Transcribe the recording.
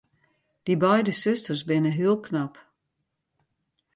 Dy beide susters binne heel knap.